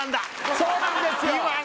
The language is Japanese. そうなんですよ！